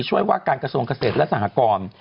ช่วยว่าการกัสสมเกษตรและสหกอง